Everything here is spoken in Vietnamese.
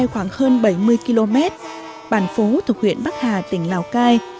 khoảng hơn bảy mươi km bản phố thuộc huyện bắc hà tỉnh lào cai